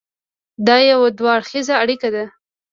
دا یو دوه اړخیزه اړیکه ده.